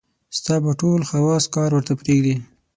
ستا به ټول حواص کار ورته پرېږدي.